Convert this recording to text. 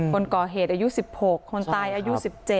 คนก่อเหตุอายุ๑๖คนตายอายุ๑๗